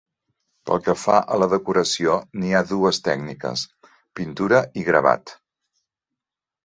Pel que fa a la decoració, n'hi ha dues tècniques: pintura i gravat.